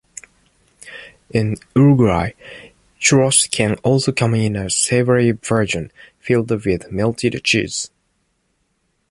In Uruguay, churros can also come in a savoury version, filled with melted cheese.